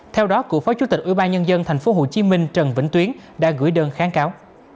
theo đó cựu phó chủ tịch ủy ban nhân dân thành phố hồ chí minh trần vĩnh tuyến đã gửi đơn kháng cáo